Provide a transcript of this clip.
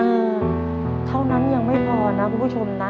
เออเท่านั้นยังไม่พอนะผู้ชมนะ